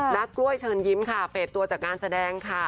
กล้วยเชิญยิ้มค่ะเฟสตัวจากงานแสดงค่ะ